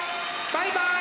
バイバイ！